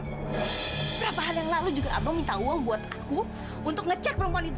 beberapa hari yang lalu juga abang minta uang buat aku untuk ngecek perempuan itu